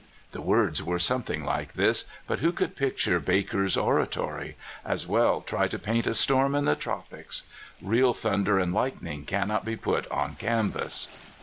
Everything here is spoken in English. The words were something like these, but who could picture Baker's oratory? As well try to paint a storm in the tropics. Real thunder and lightning cannot be put on canvas.